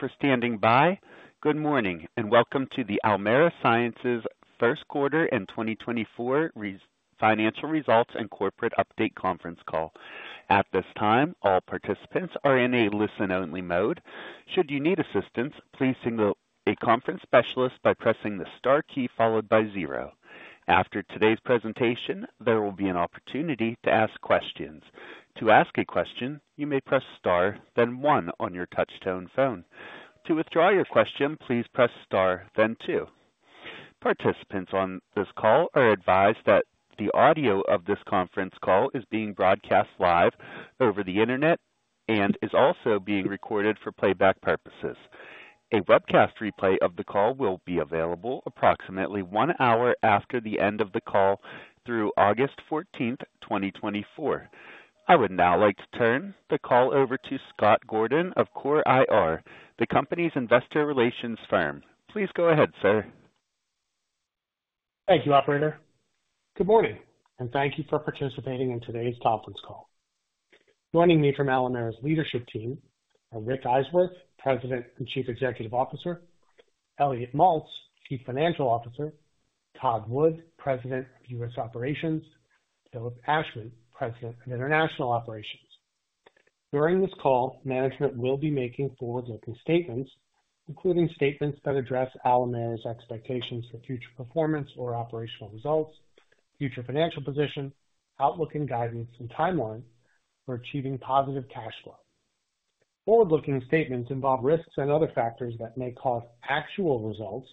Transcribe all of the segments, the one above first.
Thank you for standing by. Good morning and welcome to the Alimera Sciences First Quarter 2024 Financial Results and Corporate Update Conference Call. At this time, all participants are in a listen-only mode. Should you need assistance, please signal a conference specialist by pressing the star key followed by zero. After today's presentation, there will be an opportunity to ask questions. To ask a question, you may press star, then one on your touch-tone phone. To withdraw your question, please press star, then two. Participants on this call are advised that the audio of this conference call is being broadcast live over the internet and is also being recorded for playback purposes. A webcast replay of the call will be available approximately one hour after the end of the call through August 14, 2024. I would now like to turn the call over to Scott Gordon of Core IR, the company's investor relations firm. Please go ahead, sir. Thank you, operator. Good morning, and thank you for participating in today's conference call. Joining me from Alimera's leadership team are Rick Eiswirth, President and Chief Executive Officer, Elliot Maltz, Chief Financial Officer, Todd Wood, President of U.S. Operations, and Philip Ashman, President of International Operations. During this call, management will be making forward-looking statements, including statements that address Alimera's expectations for future performance or operational results, future financial position, outlook and guidance, and timeline for achieving positive cash flow. Forward-looking statements involve risks and other factors that may cause actual results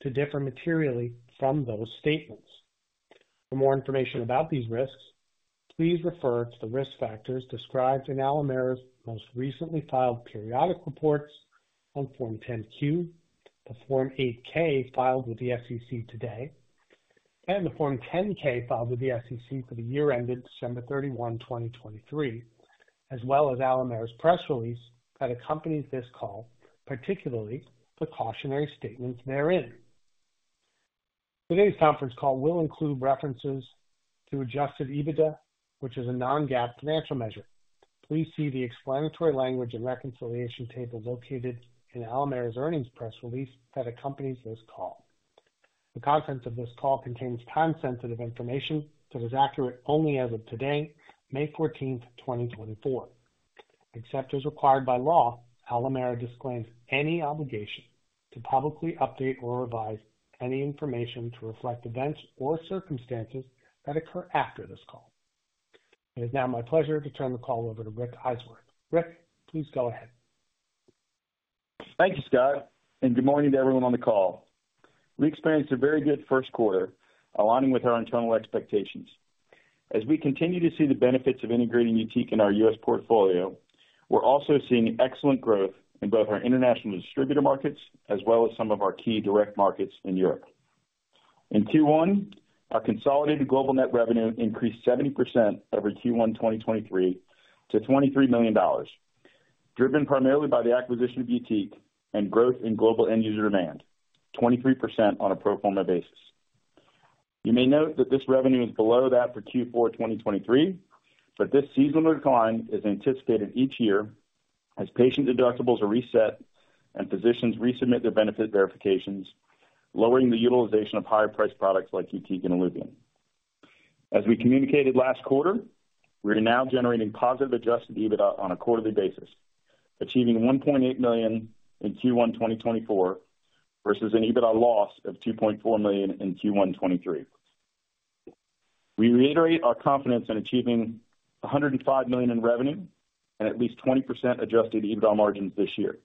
to differ materially from those statements. For more information about these risks, please refer to the risk factors described in Alimera's most recently filed periodic reports on Form 10-Q, the Form 8-K filed with the SEC today, and the Form 10-K filed with the SEC for the year ended December 31, 2023, as well as Alimera's press release that accompanies this call, particularly the cautionary statements therein. Today's conference call will include references to Adjusted EBITDA, which is a non-GAAP financial measure. Please see the explanatory language and reconciliation table located in Alimera's earnings press release that accompanies this call. The contents of this call contain time-sensitive information that is accurate only as of today, May 14, 2024. Except as required by law, Alimera disclaims any obligation to publicly update or revise any information to reflect events or circumstances that occur after this call. It is now my pleasure to turn the call over to Rick Eiswirth. Rick, please go ahead. Thank you, Scott, and good morning to everyone on the call. We experienced a very good first quarter, aligning with our internal expectations. As we continue to see the benefits of integrating YUTIQ in our U.S. portfolio, we're also seeing excellent growth in both our international distributor markets as well as some of our key direct markets in Europe. In Q1, our consolidated global net revenue increased 70% over Q1 2023 to $23 million, driven primarily by the acquisition of YUTIQ and growth in global end-user demand, 23% on a pro forma basis. You may note that this revenue is below that for Q4 2023, but this seasonal decline is anticipated each year as patient deductibles are reset and physicians resubmit their benefit verifications, lowering the utilization of higher-priced products like YUTIQ and ILUVIEN. As we communicated last quarter, we are now generating positive Adjusted EBITDA on a quarterly basis, achieving $1.8 million in Q1 2024 versus an Adjusted EBITDA loss of $2.4 million in Q1 2023. We reiterate our confidence in achieving $105 million in revenue and at least 20% Adjusted EBITDA margins this year.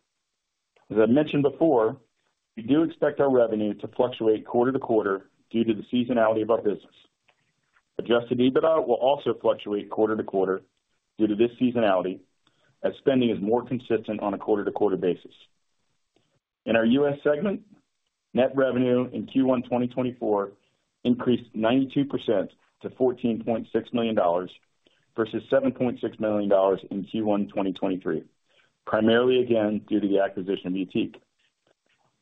As I mentioned before, we do expect our revenue to fluctuate quarter to quarter due to the seasonality of our business. Adjusted EBITDA will also fluctuate quarter to quarter due to this seasonality, as spending is more consistent on a quarter-to-quarter basis. In our U.S. segment, net revenue in Q1 2024 increased 92% to $14.6 million versus $7.6 million in Q1 2023, primarily again due to the acquisition of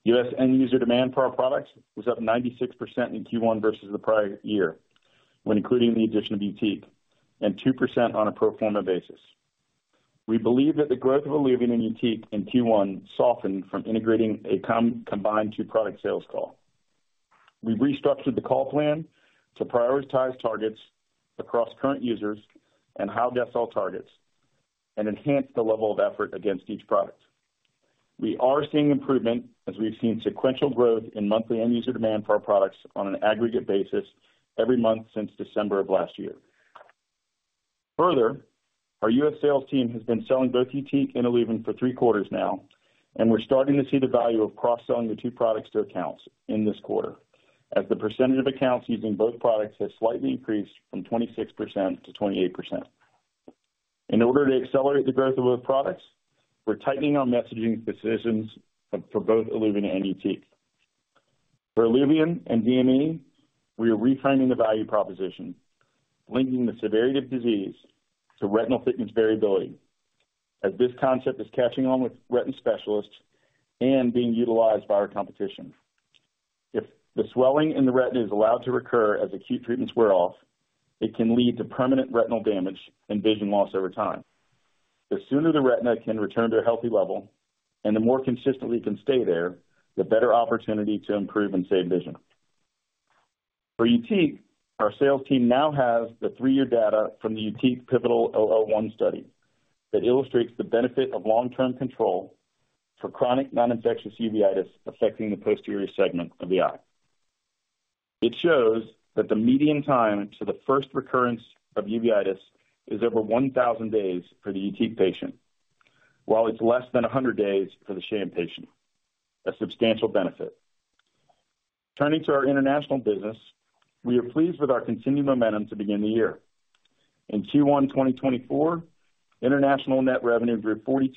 YUTIQ. U.S. end-user demand for our products was up 96% in Q1 versus the prior year when including the addition of YUTIQ, and 2% on a pro forma basis. We believe that the growth of ILUVIEN and YUTIQ in Q1 softened from integrating a combined two-product sales call. We restructured the call plan to prioritize targets across current users and high-decile targets, and enhanced the level of effort against each product. We are seeing improvement as we've seen sequential growth in monthly end-user demand for our products on an aggregate basis every month since December of last year. Further, our U.S. sales team has been selling both YUTIQ and ILUVIEN for three quarters now, and we're starting to see the value of cross-selling the two products to accounts in this quarter, as the percentage of accounts using both products has slightly increased from 26%-28%. In order to accelerate the growth of both products, we're tightening our messaging decisions for both ILUVIEN and YUTIQ. For ILUVIEN and DME, we are reframing the value proposition, linking the severity of disease to retinal thickness variability, as this concept is catching on with retina specialists and being utilized by our competition. If the swelling in the retina is allowed to recur as acute treatments wear off, it can lead to permanent retinal damage and vision loss over time. The sooner the retina can return to a healthy level and the more consistently it can stay there, the better opportunity to improve and save vision. For YUTIQ, our sales team now has the 3-year data from the YUTIQ Pivotal 001 study that illustrates the benefit of long-term control for chronic non-infectious uveitis affecting the posterior segment of the eye. It shows that the median time to the first recurrence of uveitis is over 1,000 days for the ILUVIEN patient, while it's less than 100 days for the sham patient, a substantial benefit. Turning to our international business, we are pleased with our continued momentum to begin the year. In Q1 2024, international net revenue grew 42%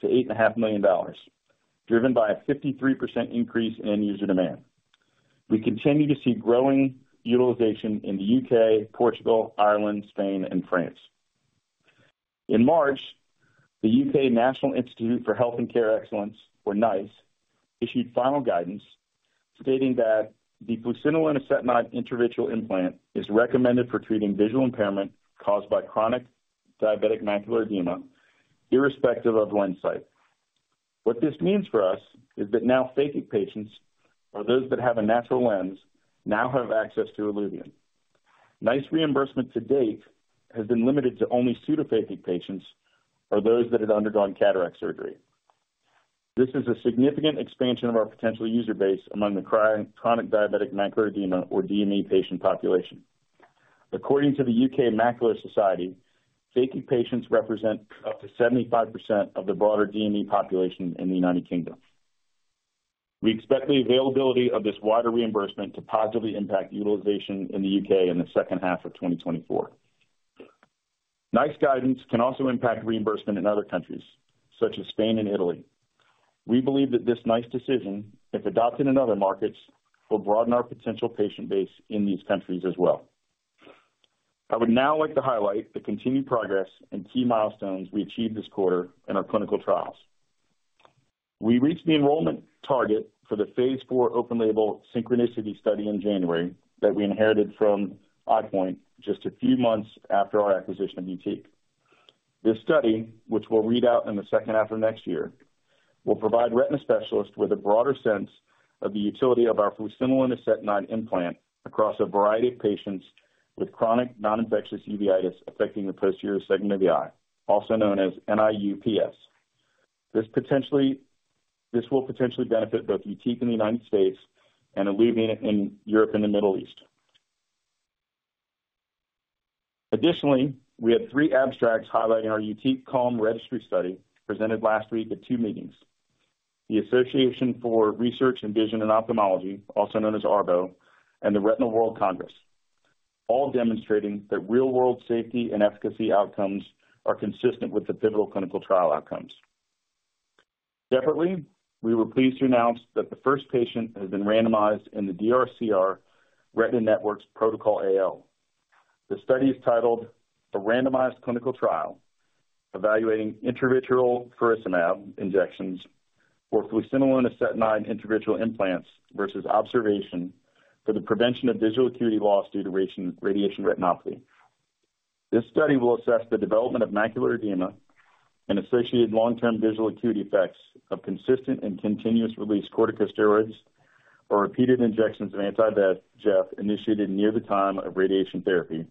to $8.5 million, driven by a 53% increase in end-user demand. We continue to see growing utilization in the UK, Portugal, Ireland, Spain, and France. In March, the UK National Institute for Health and Care Excellence, or NICE, issued final guidance stating that the fluocinolone acetonide intravitreal implant is recommended for treating visual impairment caused by chronic diabetic macular edema, irrespective of lens status. What this means for us is that now phakic patients, or those that have a natural lens, now have access to ILUVIEN. NICE reimbursement to date has been limited to only pseudophakic patients or those that had undergone cataract surgery. This is a significant expansion of our potential user base among the chronic diabetic macular edema, or DME, patient population. According to the U.K. Macular Society, phakic patients represent up to 75% of the broader DME population in the United Kingdom. We expect the availability of this wider reimbursement to positively impact utilization in the U.K. in the second half of 2024. NICE guidance can also impact reimbursement in other countries, such as Spain and Italy. We believe that this NICE decision, if adopted in other markets, will broaden our potential patient base in these countries as well. I would now like to highlight the continued progress and key milestones we achieved this quarter in our clinical trials. We reached the enrollment target for the phase 4 open-label SYNCHRONICITY Study in January that we inherited from EyePoint just a few months after our acquisition of YUTIQ. This study, which we'll read out in the second half of next year, will provide retina specialists with a broader sense of the utility of our Fluocinolone Acetonide implant across a variety of patients with chronic non-infectious uveitis affecting the posterior segment of the eye, also known as NIU-PS. This will potentially benefit both YUTIQ in the United States and ILUVIEN in Europe and the Middle East. Additionally, we had three abstracts highlighting our YUTIQ CALM registry study presented last week at two meetings: the Association for Research in Vision and Ophthalmology, also known as ARVO, and the Retinal World Congress, all demonstrating that real-world safety and efficacy outcomes are consistent with the pivotal clinical trial outcomes. Separately, we were pleased to announce that the first patient has been randomized in the DRCR Retina Network's Protocol AL. The study is titled "A Randomized Clinical Trial: Evaluating Intravitreal Fluocinolone Acetonide Intravitreal Implants versus Observation for the Prevention of Visual Acuity Loss Due to Radiation Retinopathy." This study will assess the development of macular edema and associated long-term visual acuity effects of consistent and continuous-release corticosteroids or repeated injections of anti-VEGF initiated near the time of radiation therapy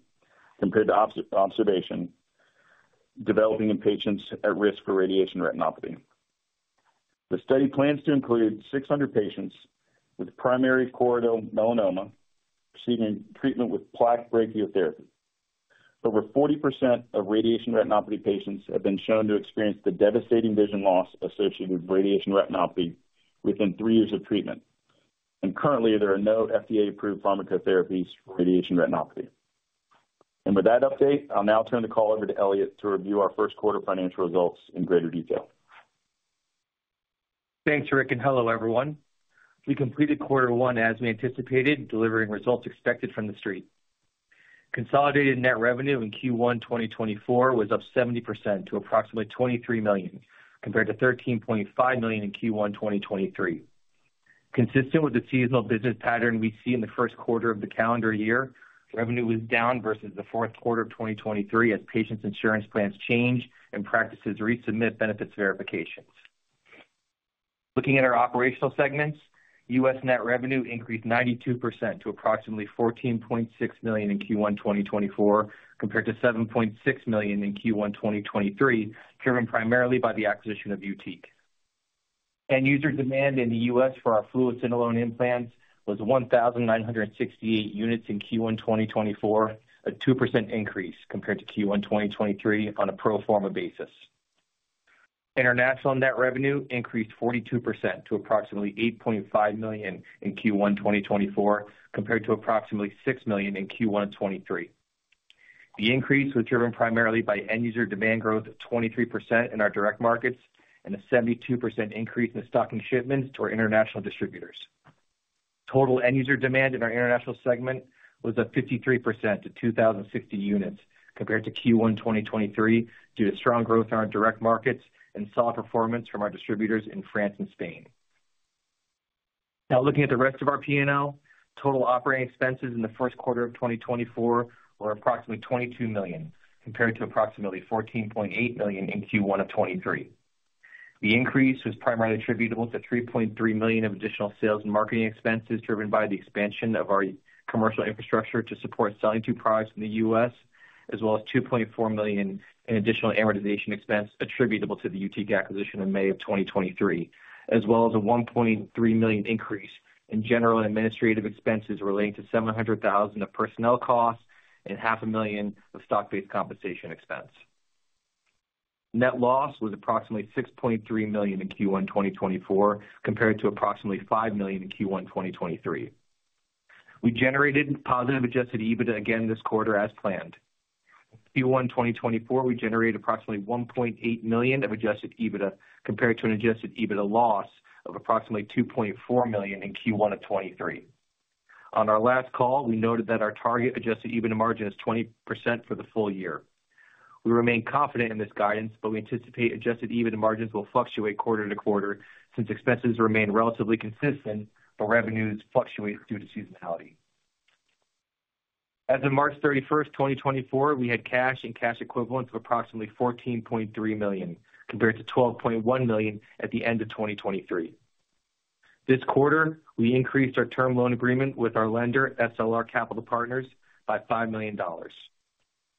compared to observation developing in patients at risk for radiation retinopathy. The study plans to include 600 patients with primary choroidal melanoma receiving treatment with plaque brachytherapy. Over 40% of radiation retinopathy patients have been shown to experience the devastating vision loss associated with radiation retinopathy within three years of treatment, and currently there are no FDA-approved pharmacotherapies for radiation retinopathy. With that update, I'll now turn the call over to Elliot to review our first quarter financial results in greater detail. Thanks, Rick, and hello, everyone. We completed Q1 as we anticipated, delivering results expected from the street. Consolidated net revenue in Q1 2024 was up 70% to approximately $23 million compared to $13.5 million in Q1 2023. Consistent with the seasonal business pattern we see in the first quarter of the calendar year, revenue was down versus the fourth quarter of 2023 as patients' insurance plans change and practices resubmit benefits verifications. Looking at our operational segments, U.S. net revenue increased 92% to approximately $14.6 million in Q1 2024 compared to $7.6 million in Q1 2023, driven primarily by the acquisition of YUTIQ. End-user demand in the U.S. for our fluocinolone implants was 1,968 units in Q1 2024, a 2% increase compared to Q1 2023 on a pro forma basis. International net revenue increased 42% to approximately $8.5 million in Q1 2024 compared to approximately $6 million in Q1 of 2023. The increase was driven primarily by end-user demand growth of 23% in our direct markets and a 72% increase in stocking shipments to our international distributors. Total end-user demand in our international segment was up 53% to 2,060 units compared to Q1 2023 due to strong growth in our direct markets and solid performance from our distributors in France and Spain. Now, looking at the rest of our P&L, total operating expenses in the first quarter of 2024 were approximately $22 million compared to approximately $14.8 million in Q1 of 2023. The increase was primarily attributable to $3.3 million of additional sales and marketing expenses driven by the expansion of our commercial infrastructure to support selling two products in the U.S., as well as $2.4 million in additional amortization expense attributable to the YUTIQ acquisition in May of 2023, as well as a $1.3 million increase in general and administrative expenses relating to $700,000 of personnel costs and $500,000 of stock-based compensation expense. Net loss was approximately $6.3 million in Q1 2024 compared to approximately $5 million in Q1 2023. We generated positive Adjusted EBITDA again this quarter as planned. In Q1 2024, we generated approximately $1.8 million of Adjusted EBITDA compared to an Adjusted EBITDA loss of approximately $2.4 million in Q1 of 2023. On our last call, we noted that our target Adjusted EBITDA margin is 20% for the full year. We remain confident in this guidance, but we anticipate adjusted EBITDA margins will fluctuate quarter to quarter since expenses remain relatively consistent, but revenues fluctuate due to seasonality. As of March 31, 2024, we had cash and cash equivalents of approximately $14.3 million compared to $12.1 million at the end of 2023. This quarter, we increased our term loan agreement with our lender, SLR Capital Partners, by $5 million.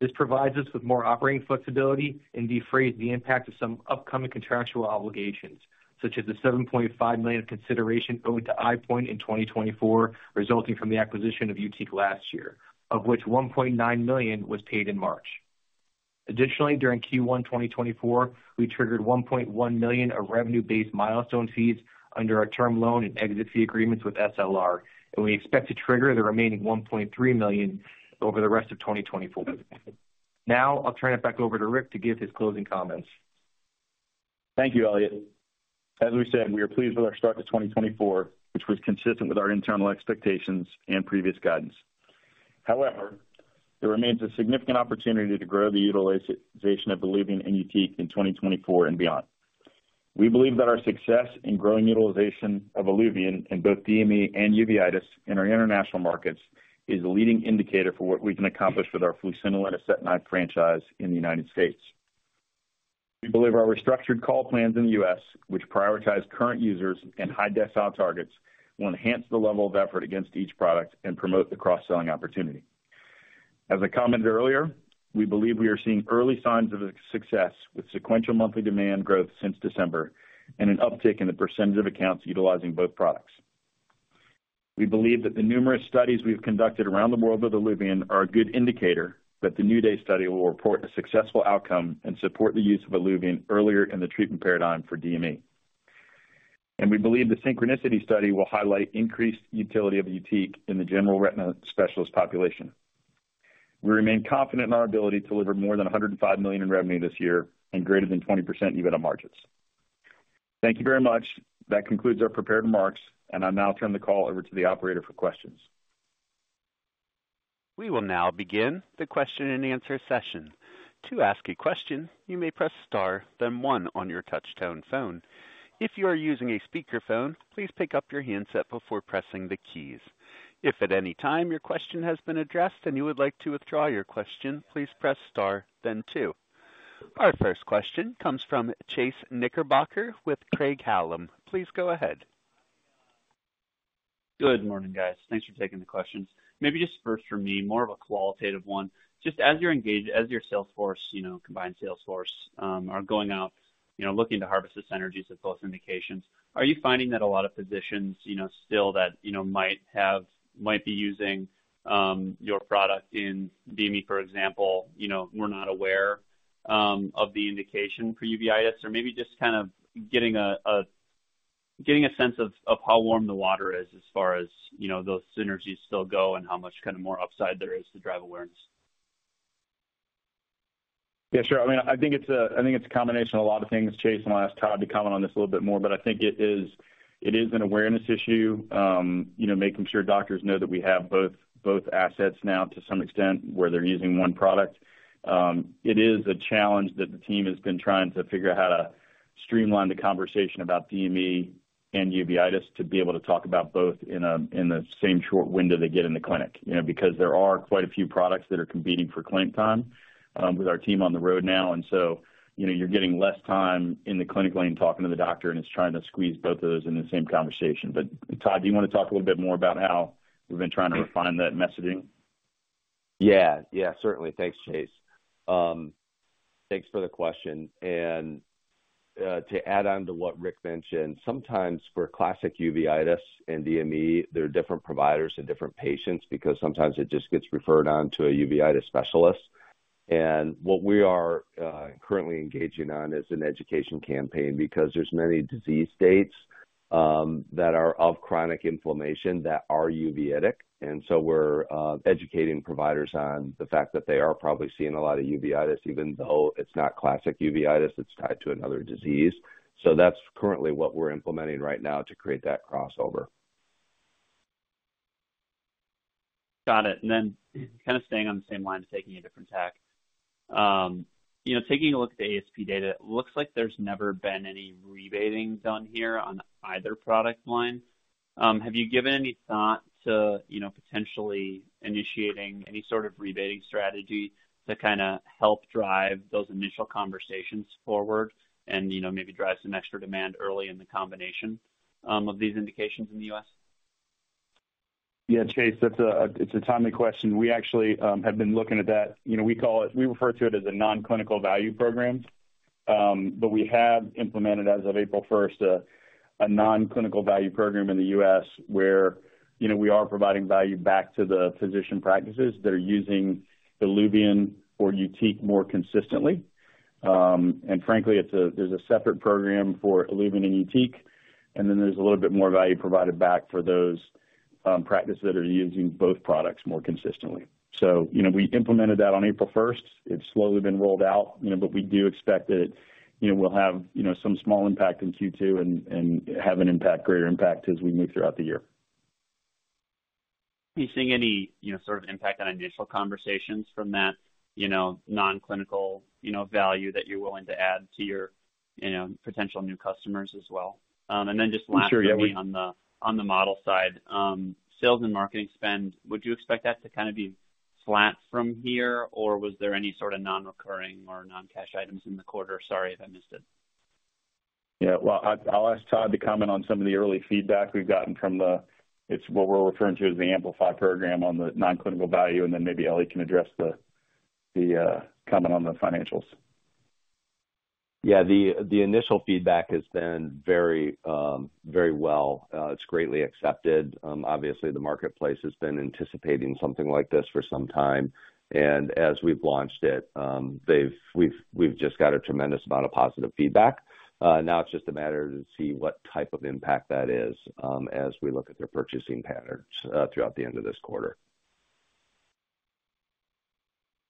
This provides us with more operating flexibility and defrays the impact of some upcoming contractual obligations, such as the $7.5 million of consideration owed to EyePoint in 2024 resulting from the acquisition of YUTIQ last year, of which $1.9 million was paid in March. Additionally, during Q1 2024, we triggered $1.1 million of revenue-based milestone fees under our term loan and exit fee agreements with SLR, and we expect to trigger the remaining $1.3 million over the rest of 2024. Now, I'll turn it back over to Rick to give his closing comments. Thank you, Elliot. As we said, we are pleased with our start to 2024, which was consistent with our internal expectations and previous guidance. However, there remains a significant opportunity to grow the utilization of ILUVIEN and YUTIQ in 2024 and beyond. We believe that our success in growing utilization of ILUVIEN in both DME and uveitis in our international markets is the leading indicator for what we can accomplish with our Fluocinolone Acetonide franchise in the United States. We believe our restructured call plans in the U.S., which prioritize current users and high-decile targets, will enhance the level of effort against each product and promote the cross-selling opportunity. As I commented earlier, we believe we are seeing early signs of success with sequential monthly demand growth since December and an uptick in the percentage of accounts utilizing both products. We believe that the numerous studies we've conducted around the world with ILUVIEN are a good indicator that the NEW DAY Study will report a successful outcome and support the use of ILUVIEN earlier in the treatment paradigm for DME. We believe the SYNCHRONICITY Study will highlight increased utility of YUTIQ in the general retina specialist population. We remain confident in our ability to deliver more than $105 million in revenue this year and greater than 20% EBITDA margins. Thank you very much. That concludes our prepared remarks, and I'll now turn the call over to the operator for questions. We will now begin the question-and-answer session. To ask a question, you may press star, then one on your touch-tone phone. If you are using a speakerphone, please pick up your handset before pressing the keys. If at any time your question has been addressed and you would like to withdraw your question, please press star, then two. Our first question comes from Chase Knickerbocker with Craig-Hallum. Please go ahead. Good morning, guys. Thanks for taking the questions. Maybe just first from me, more of a qualitative one. Just as you're engaged, as your sales force, combined sales force, are going out looking to harvest this energy as a post-indication, are you finding that a lot of positions still that might be using your product in DME, for example, who're not aware of the indication for uveitis, or maybe just kind of getting a sense of how warm the water is as far as those synergies still go and how much kind of more upside there is to drive awareness? Yeah, sure. I mean, I think it's a combination of a lot of things. Chase, I'll ask Todd to comment on this a little bit more, but I think it is an awareness issue, making sure doctors know that we have both assets now to some extent where they're using one product. It is a challenge that the team has been trying to figure out how to streamline the conversation about DME and uveitis to be able to talk about both in the same short window they get in the clinic because there are quite a few products that are competing for claim time with our team on the road now. And so you're getting less time in the clinical lane talking to the doctor, and it's trying to squeeze both of those in the same conversation. Todd, do you want to talk a little bit more about how we've been trying to refine that messaging? Yeah, yeah, certainly. Thanks, Chase. Thanks for the question. And to add on to what Rick mentioned, sometimes for classic uveitis and DME, there are different providers and different patients because sometimes it just gets referred on to a uveitis specialist. And what we are currently engaging on is an education campaign because there's many disease states that are of chronic inflammation that are uveitic. And so we're educating providers on the fact that they are probably seeing a lot of uveitis even though it's not classic uveitis. It's tied to another disease. So that's currently what we're implementing right now to create that crossover. Got it. And then kind of staying on the same line to taking a different tack, taking a look at the ASP data, it looks like there's never been any rebating done here on either product line. Have you given any thought to potentially initiating any sort of rebating strategy to kind of help drive those initial conversations forward and maybe drive some extra demand early in the combination of these indications in the U.S.? Yeah, Chase, that's a timely question. We actually have been looking at that. We refer to it as a non-clinical value program, but we have implemented, as of April 1st, a non-clinical value program in the U.S. where we are providing value back to the physician practices that are using ILUVIEN or YUTIQ more consistently. And frankly, there's a separate program for ILUVIEN and YUTIQ, and then there's a little bit more value provided back for those practices that are using both products more consistently. So we implemented that on April 1st. It's slowly been rolled out, but we do expect that it will have some small impact in Q2 and have a greater impact as we move throughout the year. Are you seeing any sort of impact on initial conversations from that non-clinical value that you're willing to add to your potential new customers as well? And then just lastly, on the model side, sales and marketing spend, would you expect that to kind of be flat from here, or was there any sort of non-recurring or non-cash items in the quarter? Sorry if I missed it. Yeah. Well, I'll ask Todd to comment on some of the early feedback we've gotten from the what we're referring to as the Amplify program on the non-clinical value, and then maybe Elliot can address the comment on the financials. Yeah, the initial feedback has been very well. It's greatly accepted. Obviously, the marketplace has been anticipating something like this for some time. And as we've launched it, we've just got a tremendous amount of positive feedback. Now it's just a matter to see what type of impact that is as we look at their purchasing patterns throughout the end of this quarter.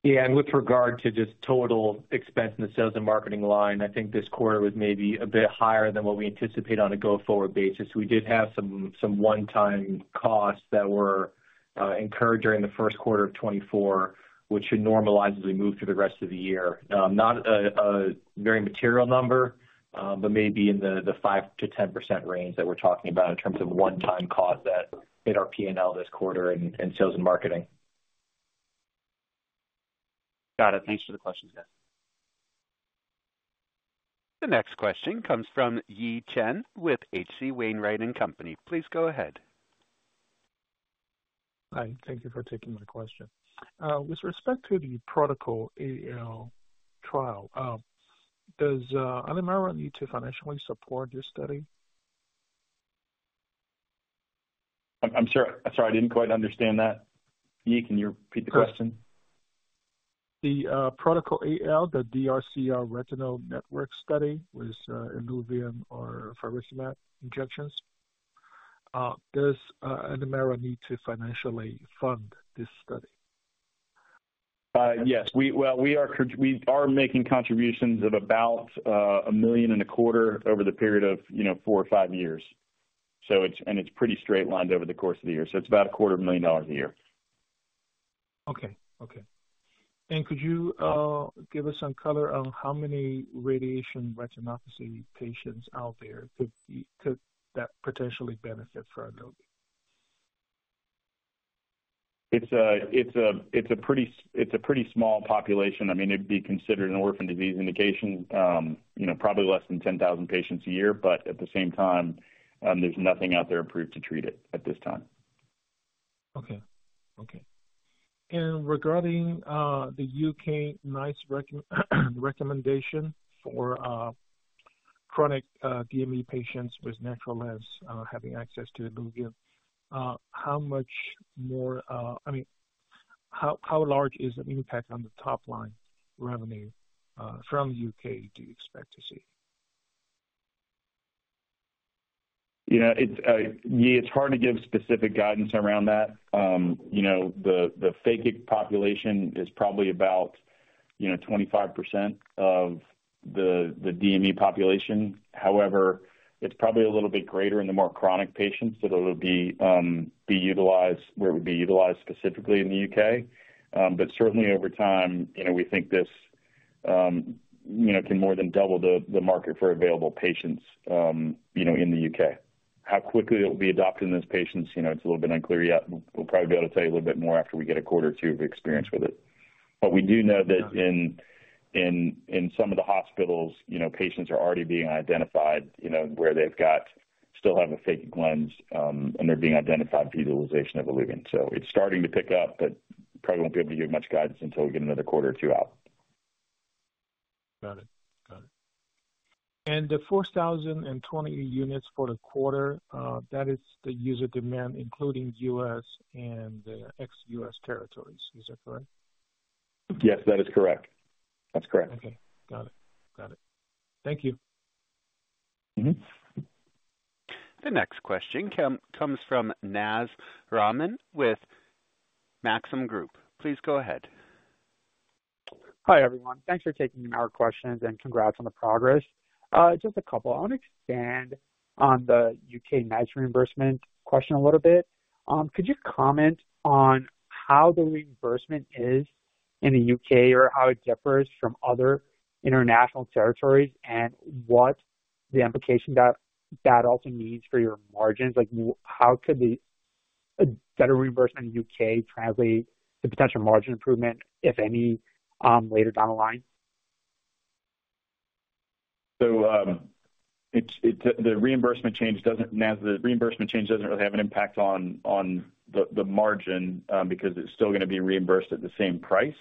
Yeah, and with regard to just total expense in the sales and marketing line, I think this quarter was maybe a bit higher than what we anticipate on a go-forward basis. We did have some one-time costs that were incurred during the first quarter of 2024, which should normalize as we move through the rest of the year. Not a very material number, but maybe in the 5%-10% range that we're talking about in terms of one-time cost that hit our P&L this quarter in sales and marketing. Got it. Thanks for the questions, guys. The next question comes from Yi Chen with H.C. Wainwright & Co. Please go ahead. Hi. Thank you for taking my question. With respect to the Protocol AL trial, does Alimera need to financially support your study? I'm sorry. I didn't quite understand that. Yi, can you repeat the question? The Protocol AL, the DRCR Retina Network Study with ILUVIEN or Furosemide injections, does Alimera need to financially fund this study? Yes. Well, we are making contributions of about $1.25 million over the period of four or five years, and it's pretty straight-lined over the course of the year. So it's about $250,000 a year. Okay. Okay. Could you give us some color on how many Radiation Retinopathy patients out there could that potentially benefit from? It's a pretty small population. I mean, it'd be considered an orphan disease indication, probably less than 10,000 patients a year. But at the same time, there's nothing out there approved to treat it at this time. Okay. Okay. Regarding the UK NICE recommendation for chronic DME patients with natural lens having access to ILUVIEN, how much more I mean, how large is the impact on the top-line revenue from the UK do you expect to see? Yeah, it's hard to give specific guidance around that. The phakic population is probably about 25% of the DME population. However, it's probably a little bit greater in the more chronic patients that it would be utilized where it would be utilized specifically in the U.K. But certainly, over time, we think this can more than double the market for available patients in the U.K. How quickly it will be adopted in those patients, it's a little bit unclear yet. We'll probably be able to tell you a little bit more after we get a quarter or two of experience with it. But we do know that in some of the hospitals, patients are already being identified where they still have a phakic lens, and they're being identified via utilization of ILUVIEN. It's starting to pick up, but probably won't be able to give much guidance until we get another quarter or two out. Got it. Got it. And the 4,020 units for the quarter, that is the user demand including U.S. and ex-U.S. territories. Is that correct? Yes, that is correct. That's correct. Okay. Got it. Got it. Thank you. The next question comes from Naz Rahman with Maxim Group. Please go ahead. Hi, everyone. Thanks for taking our questions and congrats on the progress. Just a couple. I want to expand on the UK NICE reimbursement question a little bit. Could you comment on how the reimbursement is in the UK or how it differs from other international territories and what the implication that also means for your margins? How could a better reimbursement in the UK translate to potential margin improvement, if any, later down the line? So the reimbursement change doesn't really have an impact on the margin because it's still going to be reimbursed at the same price.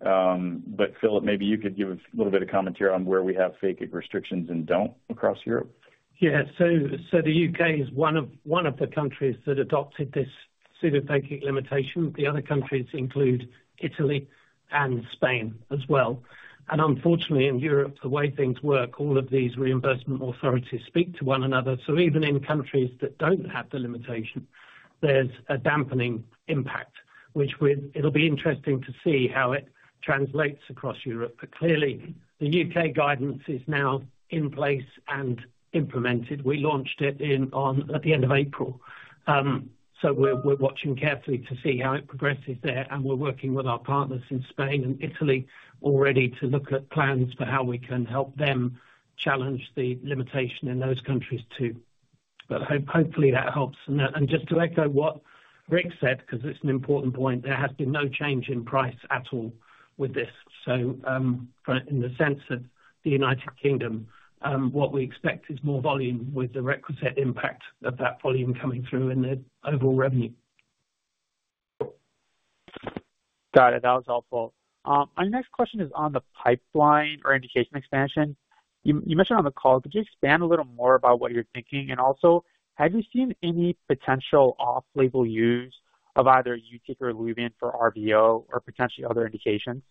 But Philip, maybe you could give a little bit of commentary on where we have phakic restrictions and don't across Europe? Yeah. So the U.K. is one of the countries that adopted this pseudophakic limitation. The other countries include Italy and Spain as well. And unfortunately, in Europe, the way things work, all of these reimbursement authorities speak to one another. So even in countries that don't have the limitation, there's a dampening impact, which it'll be interesting to see how it translates across Europe. But clearly, the U.K. guidance is now in place and implemented. We launched it at the end of April. So we're watching carefully to see how it progresses there. And we're working with our partners in Spain and Italy already to look at plans for how we can help them challenge the limitation in those countries too. But hopefully, that helps. And just to echo what Rick said because it's an important point, there has been no change in price at all with this. In the sense of the United Kingdom, what we expect is more volume with the requisite impact of that volume coming through in the overall revenue. Got it. That was helpful. Our next question is on the pipeline or indication expansion. You mentioned on the call. Could you expand a little more about what you're thinking? And also, have you seen any potential off-label use of either YUTIQ or ILUVIEN for RVO or potentially other indications?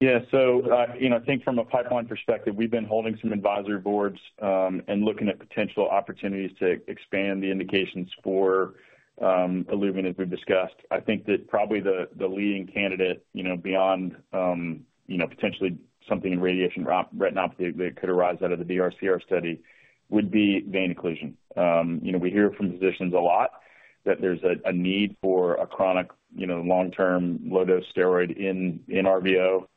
Yeah. So I think from a pipeline perspective, we've been holding some advisory boards and looking at potential opportunities to expand the indications for ILUVIEN as we've discussed. I think that probably the leading candidate beyond potentially something in radiation retinopathy that could arise out of the DRCR study would be vein occlusion. We hear from physicians a lot that there's a need for a chronic, long-term low-dose steroid in RVO.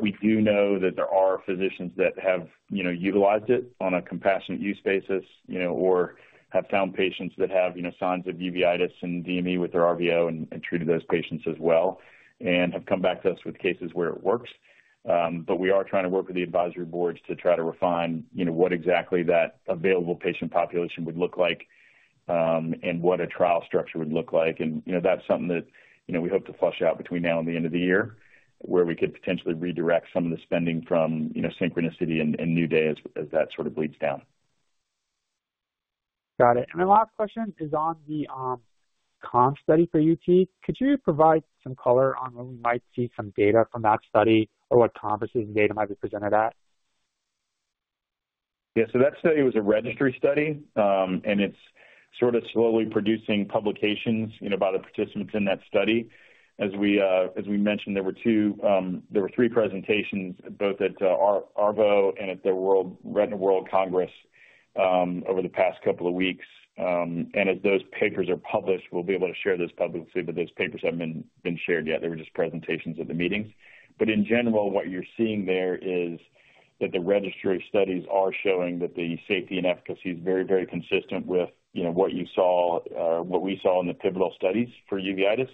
We do know that there are physicians that have utilized it on a compassionate use basis or have found patients that have signs of uveitis and DME with their RVO and treated those patients as well and have come back to us with cases where it works. But we are trying to work with the advisory boards to try to refine what exactly that available patient population would look like and what a trial structure would look like. That's something that we hope to flush out between now and the end of the year where we could potentially redirect some of the spending from Synchronicity and New Day as that sort of bleeds down. Got it. And then last question is on the COMS study for YUTIQ. Could you provide some color on where we might see some data from that study or what conferences data might be presented at? Yeah. So that study was a registry study, and it's sort of slowly producing publications by the participants in that study. As we mentioned, there were three presentations, both at ARVO and at the Retina World Congress over the past couple of weeks. And as those papers are published, we'll be able to share those publicly. But those papers haven't been shared yet. They were just presentations at the meetings. But in general, what you're seeing there is that the registry studies are showing that the safety and efficacy is very, very consistent with what you saw or what we saw in the pivotal studies for uveitis.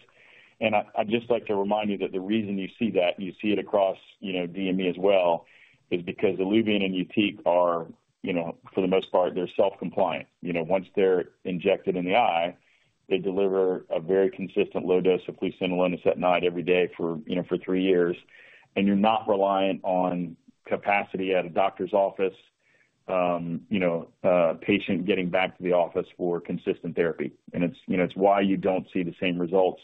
And I'd just like to remind you that the reason you see that and you see it across DME as well is because ILUVIEN and YUTIQ, for the most part, they're self-compliant. Once they're injected in the eye, they deliver a very consistent low dose of fluocinolone acetonide every day for three years. You're not reliant on capacity at a doctor's office, patient getting back to the office for consistent therapy. It's why you don't see the same results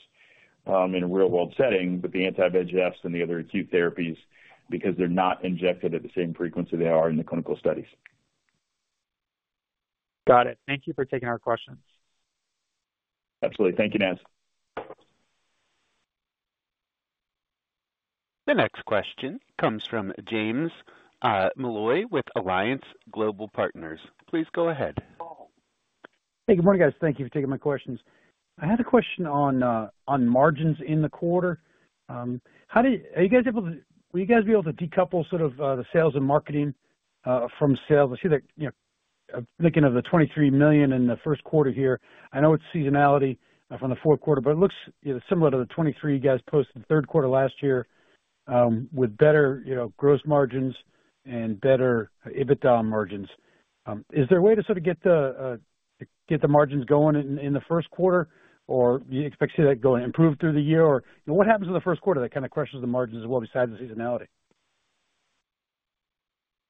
in a real-world setting with the anti-VEGFs and the other acute therapies because they're not injected at the same frequency they are in the clinical studies. Got it. Thank you for taking our questions. Absolutely. Thank you, Naz. The next question comes from James Molloy with Alliance Global Partners. Please go ahead. Hey, good morning, guys. Thank you for taking my questions. I had a question on margins in the quarter. Are you guys able to decouple sort of the sales and marketing from sales? I see that, I'm thinking of the $23 million in the first quarter here. I know it's seasonality from the fourth quarter, but it looks similar to the $23 million you guys posted the third quarter last year with better gross margins and better EBITDA margins. Is there a way to sort of get the margins going in the first quarter, or do you expect to see that improve through the year? Or what happens in the first quarter that kind of crushes the margins as well besides the seasonality?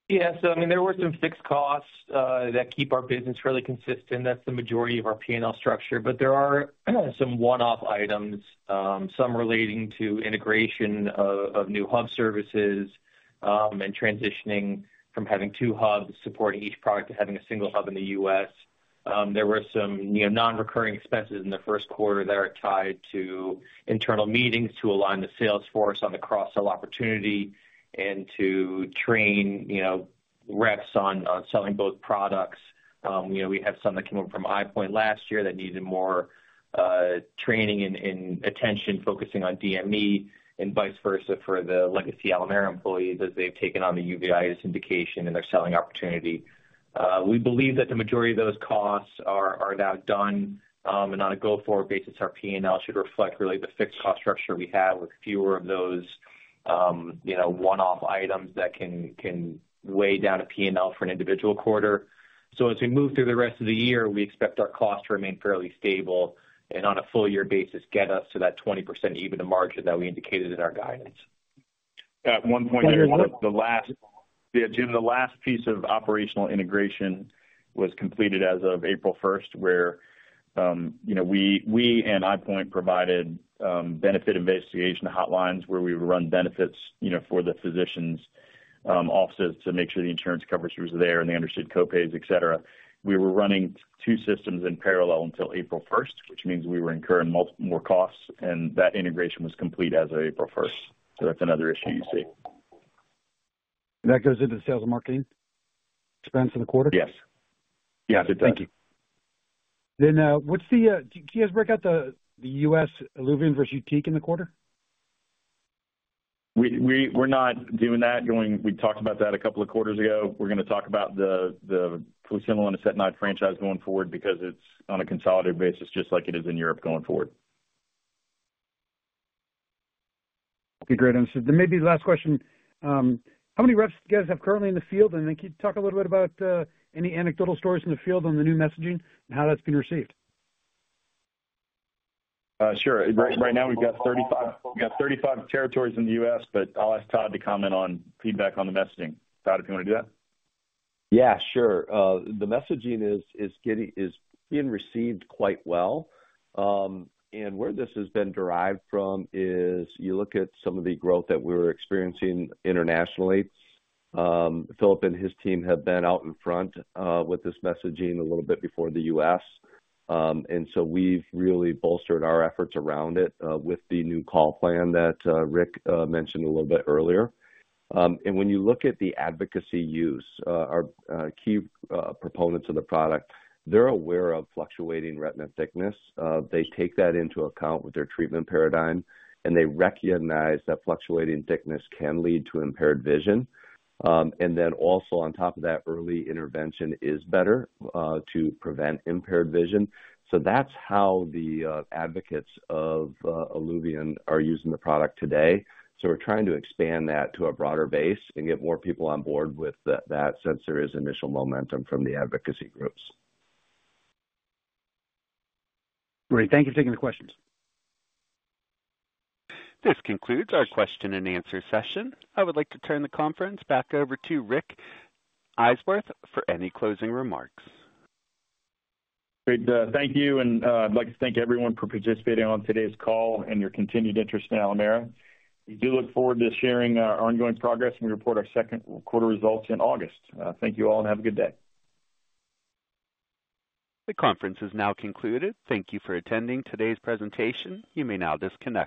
Yeah. So I mean, there were some fixed costs that keep our business fairly consistent. That's the majority of our P&L structure. But there are some one-off items, some relating to integration of new hub services and transitioning from having two hubs supporting each product to having a single hub in the U.S. There were some non-recurring expenses in the first quarter that are tied to internal meetings to align the sales force on the cross-sell opportunity and to train reps on selling both products. We have some that came over from EyePoint last year that needed more training and attention focusing on DME and vice versa for the legacy Alimera employees as they've taken on the uveitis indication and their selling opportunity. We believe that the majority of those costs are now done. And on a go-forward basis, our P&L should reflect really the fixed cost structure we have with fewer of those one-off items that can weigh down a P&L for an individual quarter. So as we move through the rest of the year, we expect our costs to remain fairly stable and on a full-year basis, get us to that 20% EBITDA margin that we indicated in our guidance. At one point, Jim, the last piece of operational integration was completed as of April 1st, where we and EyePoint provided benefit investigation hotlines where we would run benefits for the physicians' offices to make sure the insurance coverage was there and they understood copays, etc. We were running two systems in parallel until April 1st, which means we were incurring more costs. That integration was complete as of April 1st. So that's another issue you see. That goes into sales and marketing expense in the quarter? Yes. Yes, it does. Thank you. Then, can you guys break out the U.S. ILUVIEN versus YUTIQ in the quarter? We're not doing that. We talked about that a couple of quarters ago. We're going to talk about the Fluocinolone Acetonide franchise going forward because it's on a consolidated basis just like it is in Europe going forward. Okay. Great. So then maybe the last question, how many reps do you guys have currently in the field? And then can you talk a little bit about any anecdotal stories in the field on the new messaging and how that's been received? Sure. Right now, we've got 35 territories in the U.S., but I'll ask Todd to comment on feedback on the messaging. Todd, if you want to do that? Yeah, sure. The messaging is being received quite well. And where this has been derived from is you look at some of the growth that we were experiencing internationally. Philip and his team have been out in front with this messaging a little bit before the U.S. And so we've really bolstered our efforts around it with the new call plan that Rick mentioned a little bit earlier. And when you look at the advocacy use, our key proponents of the product, they're aware of fluctuating retina thickness. They take that into account with their treatment paradigm, and they recognize that fluctuating thickness can lead to impaired vision. And then also on top of that, early intervention is better to prevent impaired vision. So that's how the advocates of ILUVIEN are using the product today. So we're trying to expand that to a broader base and get more people on board with that since there is initial momentum from the advocacy groups. Great. Thank you for taking the questions. This concludes our question-and-answer session. I would like to turn the conference back over to Rick Eiswirth for any closing remarks. Great. Thank you. And I'd like to thank everyone for participating on today's call and your continued interest in Alimera. We do look forward to sharing our ongoing progress, and we report our second quarter results in August. Thank you all, and have a good day. The conference is now concluded. Thank you for attending today's presentation. You may now disconnect.